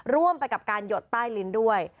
ร่วมไปกับการหยดใต้ลิ้นด้วย